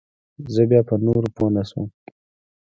زه بيا په نورو پوه نسوم.